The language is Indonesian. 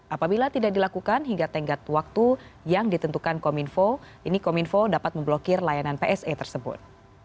apabila tidak dilakukan hingga tenggat waktu yang ditentukan kominfo ini kominfo dapat memblokir layanan pse tersebut